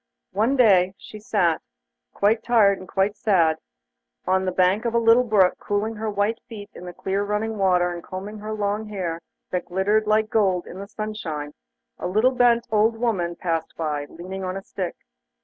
One day as she sat, quite tired and sad, on the bank of a little brook, cooling her white feet in the clear running water, and combing her long hair that glittered like gold in the sunshine, a little bent old woman passed by, leaning on a stick.